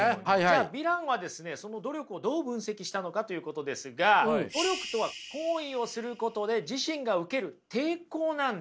じゃあビランはですねその努力をどう分析したのかということですが努力とは行為をすることで自身が受ける抵抗なんですね。